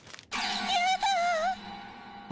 やだ。